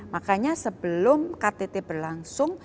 makanya sebelum ktt berlangsung